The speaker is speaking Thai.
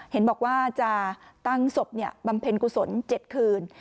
เห็นบอกว่าจะตั้งศพบำเพ็ญกุศล๗คืน